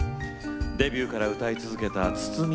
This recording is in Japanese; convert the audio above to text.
デビューから歌い続けた筒美